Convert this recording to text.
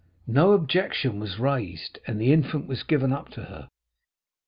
No objection was raised, and the infant was given up to her.